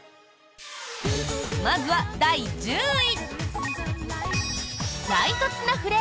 まずは第１０位。